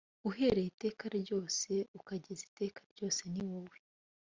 uhereye iteka ryose ukageza iteka ryose ni wowe